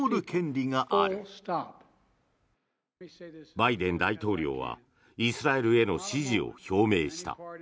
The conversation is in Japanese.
バイデン大統領はイスラエルへの支持を表明した。